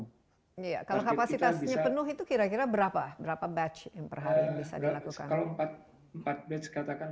iya kalau kapasitasnya penuh itu kira kira berapa berapa batch yang perhari yang bisa dilakukan